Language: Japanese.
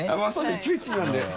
一応１位なんで。